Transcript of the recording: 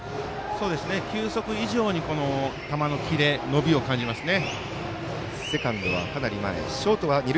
球速以上に球のキレ伸びを感じますね。